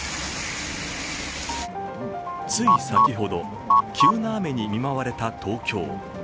つい先ほど、急な雨に見舞われた東京。